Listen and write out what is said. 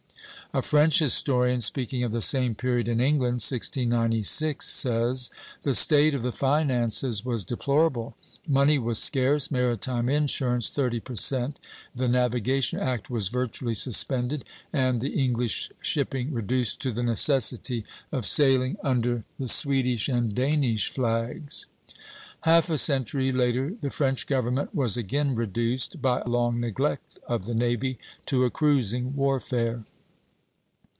A French historian, speaking of the same period in England (1696), says: "The state of the finances was deplorable; money was scarce, maritime insurance thirty per cent, the Navigation Act was virtually suspended, and the English shipping reduced to the necessity of sailing under the Swedish and Danish flags." Half a century later the French government was again reduced, by long neglect of the navy, to a cruising warfare.